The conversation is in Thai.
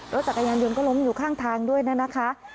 รถจักรยานยนต์ก็ล้มอยู่ข้างทางด้วยนะคะ